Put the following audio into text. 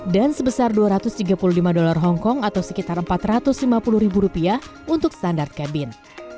dan sebesar dua ratus tiga puluh lima dolar hong kong atau sekitar empat ratus lima puluh ribu rupiah untuk standar cabin